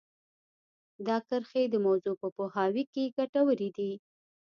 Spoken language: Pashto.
دا کرښې د موضوع په پوهاوي کې ګټورې دي